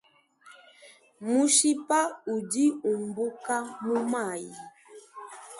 Mushipa udi umbuka mumayi.